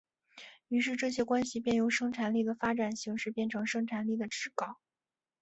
于是这些关系便由生产力的发展形式变成生产力的桎梏。